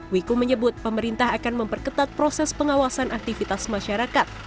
wiku menyebut pemerintah akan memperketat proses pengawasan aktivitas masyarakat